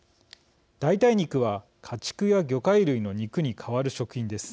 代替肉は家畜や魚介類の肉に代わる食品です。